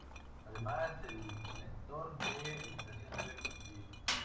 Además, el conector de alimentación debe coincidir.